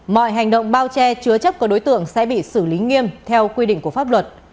mọi hành động bao che chứa chấp của đối tượng sẽ bị xử lý nghiêm theo quy định của pháp luật